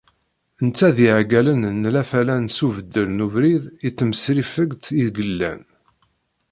Netta d yiεeggalen n Lafalan s ubeddel n ubrid i temsrifegt ideg llan.